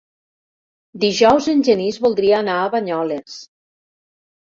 Dijous en Genís voldria anar a Banyoles.